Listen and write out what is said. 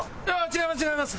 違います違います。